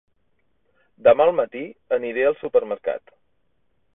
Demà al matí aniré al supermercat.